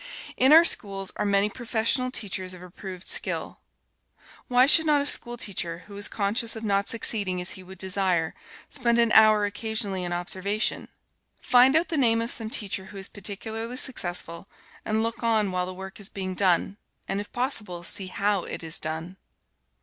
In our schools are many professional teachers of approved skill. Why should not a school teacher, who is conscious of not succeeding as he would desire, spend an hour occasionally in observation? Find out the name of some teacher who is particularly successful, and look on while the work is being done, and if possible see how it is done.